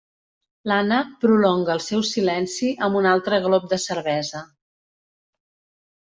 L'Anna prolonga el seu silenci amb un altre glop de cervesa.